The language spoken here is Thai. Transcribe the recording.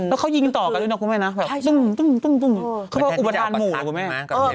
แล้วเขายิงต่อกันด้วยนะคุณแม่นะแบบตุ้งเขาเป็นอุบันทานหมู่หรือเปล่าแม่